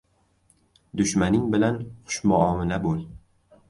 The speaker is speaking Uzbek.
• Dushmaning bilan xushmuomala bo‘l.